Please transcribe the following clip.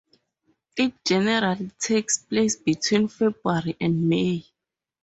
It generally takes place between February and May.